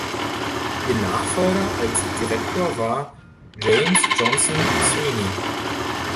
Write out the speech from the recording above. Ihr Nachfolger als Direktor war James Johnson Sweeney.